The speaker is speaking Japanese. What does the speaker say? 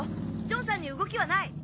ジョンさんに動きはない。